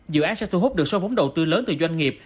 dự án sẽ thu hút được số vốn đầu tư lớn từ doanh nghiệp